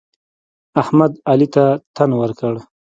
احمد؛ علي ته تن ورکړ.